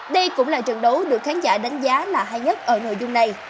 đây cũng là trận đấu được khán giả đánh giá là hay nhất ở nội dung này